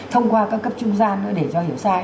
thông qua các cấp trung gian nữa để cho hiểu sai